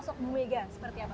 sosok bumega seperti apa